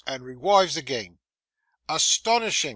and rewives agin.' 'Astonishing!